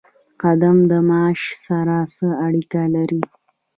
قدم د معاش سره څه اړیکه لري؟